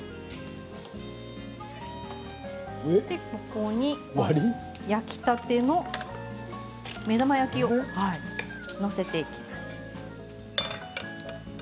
ここに焼きたての目玉焼きを載せていきます。